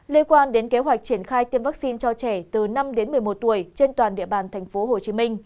liên quan đến kế hoạch triển khai tiêm vaccine cho trẻ từ năm đến một mươi một tuổi trên toàn địa bàn tp hcm